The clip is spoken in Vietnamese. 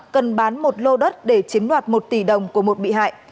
cần bán một lô đất để chiếm đoạt một tỷ đồng của một bị hại